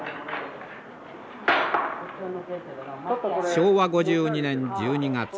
昭和５２年１２月